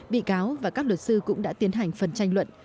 bị cáo và các luật sư cũng đã tiến hành phần tranh luận